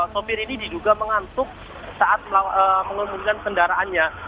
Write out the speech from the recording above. sopir ini diduga mengantuk saat mengemudikan kendaraannya